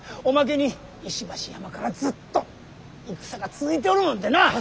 おまけに石橋山からずっと戦が続いておるもんでな。